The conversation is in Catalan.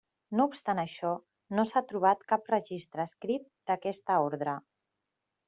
No obstant això, no s'ha trobat cap registre escrit d'aquesta ordre.